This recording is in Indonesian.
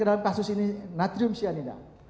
dalam kasus ini natrium cyanida